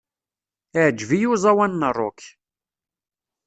Iεǧeb-iyi uẓawan n rock.